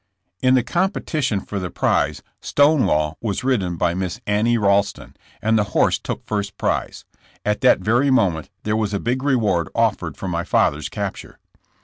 In the competition for the prize "Stonewall" was ridden by Miss Annie Ralston, and the horse took first prize. At that very moment there was a big reward offered for my father's capture.